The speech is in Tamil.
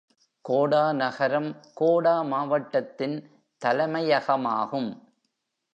கோடா நகரம் கோடா மாவட்டத்தின் தலைமையகமாகும்.